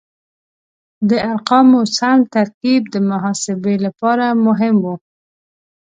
د ارقامو سم ترکیب د محاسبې لپاره مهم و.